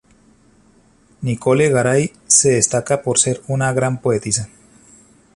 Nicole Garay se destaca por ser una gran poetisa.